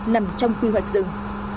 nằm trong quy hoạch rừng